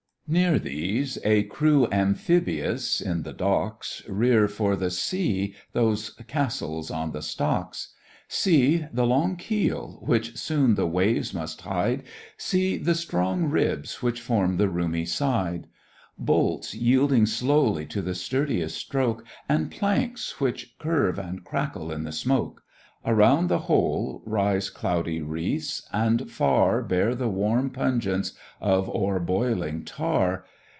Near these a crew amphibious, in the docks, Rear, for the sea, those castles on the stocks: See! the long keel, which soon the waves must hide; See! the strong ribs which form the roomy side; Bolts yielding slowly to the sturdiest stroke, And planks which curve and crackle in the smoke. Around the whole rise cloudy wreaths, and far Bear the warm pungence of o'er boiling tar.